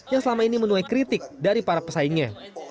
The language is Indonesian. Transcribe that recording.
yang selama ini menuai kritik dari para pesaingnya